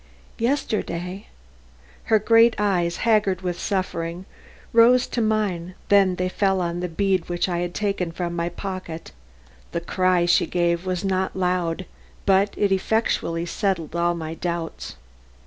"Yesterday?" Her great eyes, haggard with suffering, rose to mine, then they fell on the bead which I had taken from my pocket. The cry she gave was not loud, but it effectually settled all my doubts.